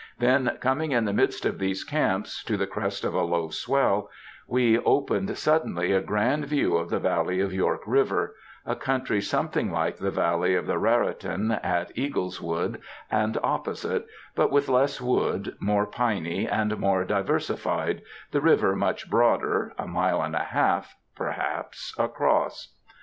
Then, coming in the midst of these camps, to the crest of a low swell, we opened suddenly a grand view of the valley of York River, a country something like the valley of the Raritan, at Eagleswood and opposite, but with less wood, more piny and more diversified, the river much broader, a mile and a half, perhaps, across.